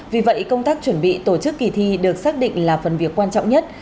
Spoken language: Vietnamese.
vì vậy công tác chuẩn bị tổ chức kỳ thi được xác định là phần việc quan trọng nhất